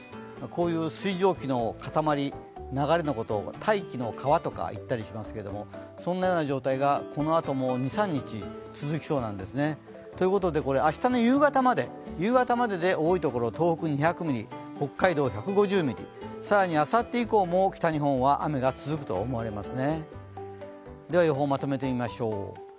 こういう水蒸気の塊、流れのことを大気の川とかいったりしますが、そんなような状態がこのあとも２３日、続きそうなんですね。ということで、明日の夕方までで多いところ東北２００ミリ北海道１５０ミリ、更にあさって以降も北日本は雨が続くと思われます。